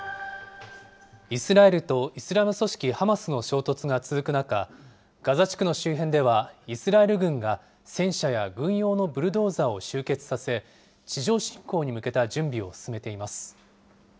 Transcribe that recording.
イスラエルとイスラム組織ハマスの衝突が続く中、ガザ地区の周辺では、イスラエル軍が、戦車や軍用のブルドーザーを集結させ、地上侵攻に向けた準備を進めています。